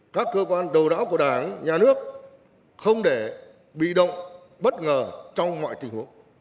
các cơ quan đầu não của đảng nhà nước không để bị động bất ngờ trong mọi tình huống